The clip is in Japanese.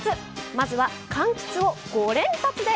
まずはかんきつを５連発で！